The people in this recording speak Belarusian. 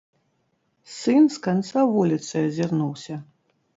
Сын з канца вуліцы азірнуўся.